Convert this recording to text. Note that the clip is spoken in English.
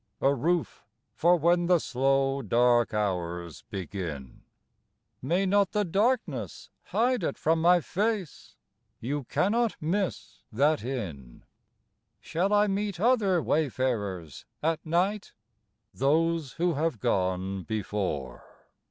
A roof for when the slow dark hours begin. May not the darkness hide it from my face? You cannot miss that inn. Shall I meet other wayfarers at night? Those who have gone before.